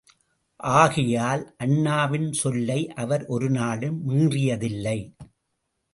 ஆகையால், அண்ணாவின் சொல்லை அவர் ஒரு நாளும் மீறியதில்லை.